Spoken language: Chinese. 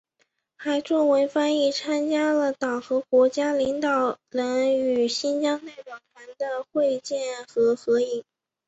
还作为翻译参加了党和国家领导人与新疆代表团的会见和合影。